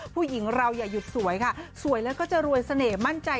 ผู้หญิงเราอย่าหยุดสวยค่ะสวยแล้วก็จะรวยเสน่ห์มั่นใจ